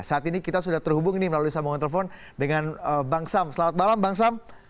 saat ini kita sudah terhubung ini melalui sambungan telepon dengan bang sam selamat malam bang sam